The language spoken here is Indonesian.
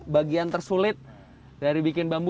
bagian tersulit dari bikin bambu